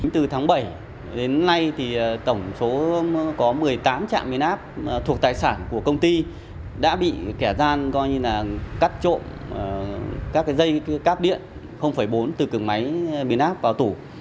từ tháng bảy đến nay thì tổng số có một mươi tám trạm biến áp thuộc tài sản của công ty đã bị kẻ gian cắt trộm các dây cắp điện bốn từ cửng máy biến áp vào tủ